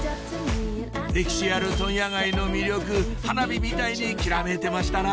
歴史ある問屋街の魅力花火みたいにきらめいてましたな！